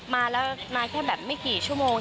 มาแล้วมาแค่แบบไม่กี่ชั่วโมง